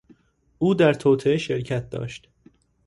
او در توطئه شرکت داشت.